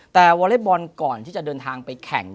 แต่วอเล็กบอลก่อนที่จะเดินทางไปแข่ง